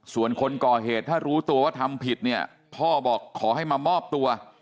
ส่วนคนก่อเหตุถ้ารู้ตัวว่าทำผิดเนี่ยพ่อบอกขอให้มามอบตัว